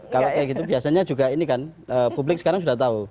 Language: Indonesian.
kalau kayak gitu biasanya juga ini kan publik sekarang sudah tahu